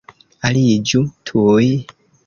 Aliĝu tuj!